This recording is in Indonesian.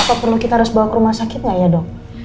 apa perlu kita harus bawa ke rumah sakit gak ya dok